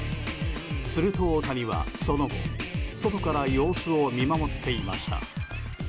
すると大谷は、その後外から様子を見守っていました。